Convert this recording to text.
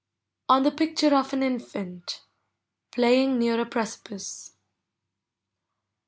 ON THE PICTURE OF AN INFANT FLAYING XKAK A FREOI I'M 'E.